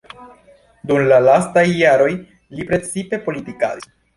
Dum la lastaj jaroj li precipe politikadis.